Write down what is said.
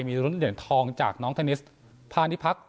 มีลุ้นเหรียญทองจากน้องเทนนิสพาณิพักษ